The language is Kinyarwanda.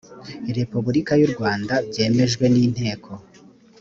repubulika y u rwanda byemejwe n inteko